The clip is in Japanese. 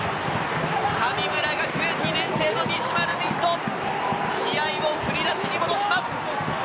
神村２年生の西丸道人、試合を振り出しに戻します！